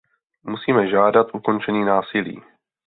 Musíme žádat ukončení násilí.